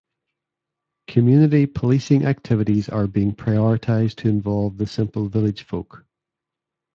Community policing activities are being prioritised to involve the simple village folk.